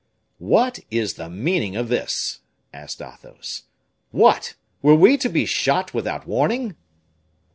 "What is the meaning of this?" asked Athos. "What! were we to be shot without warning?"